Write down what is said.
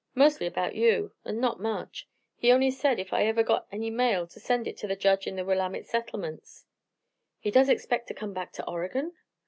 "Mostly erbout you, an' not much. He only said ef I ever got any mail to send it ter the Judge in the Willamette settlements." "He does expect to come back to Oregon!"